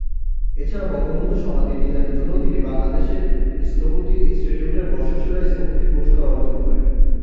এছাড়া বঙ্গবন্ধুর সমাধি ডিজাইনের জন্য তিনি বাংলাদেশ স্থপতি ইন্সটিটিউটের বর্ষসেরা স্থপতি পুরস্কার অর্জন করেন।